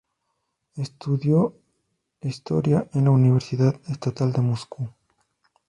Estudió historia en la Universidad Estatal de Moscú.